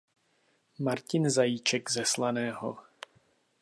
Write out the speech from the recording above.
Martin Zajíček ze Slaného.